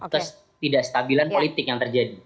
ketidakstabilan politik yang terjadi